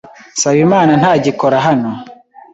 Nsabimana ntagikora hano.